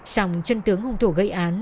sòng chân tướng hùng thủ gây án